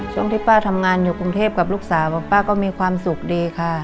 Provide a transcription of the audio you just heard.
ช่วงที่ป้าทำงานอยู่กรุงเทพกับลูกสาวบอกป้าก็มีความสุขดีค่ะ